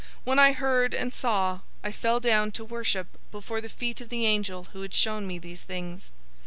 When I heard and saw, I fell down to worship before the feet of the angel who had shown me these things.